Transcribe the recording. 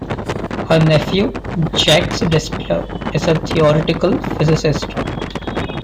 Her nephew, Jacques Distler, is a theoretical physicist.